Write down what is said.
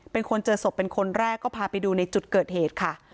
เป็นคนเจอศพเป็นคนแรกก็พาไปดูในจุดเกิดเหตุค่ะ